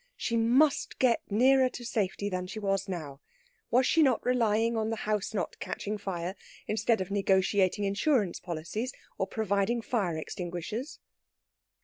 She must get nearer to safety than she was now. Was she not relying on the house not catching fire instead of negotiating insurance policies or providing fire extinguishers?